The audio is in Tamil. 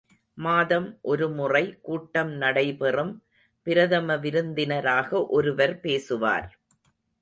மாதம் ஒருமுறை கூட்டம் நடைபெறும் பிரதமவிருந்தினராக ஒருவர் பேசுவார்.